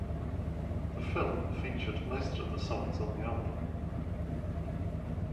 The film featured most of the songs on the album.